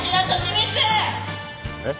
えっ？